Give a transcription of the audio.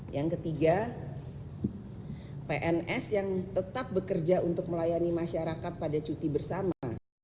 yang ketiga pns yang tetap bekerja untuk melayani masyarakat pada cuti bersama